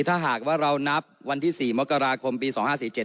ถ้าหากว่าเรานับวันที่สี่มากราคมปีสองห้าสี่เจ็ด